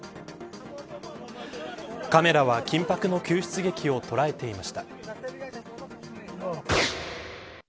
カメラは緊迫の救出劇を捉えていました。